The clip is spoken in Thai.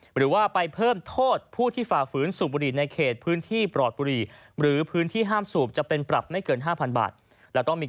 หรือว่าไปเพิ่มโทษผู้ที่ฝ่าฝืนสูบบุหรี่ในเขตพื้นที่ปลอดบุหรี่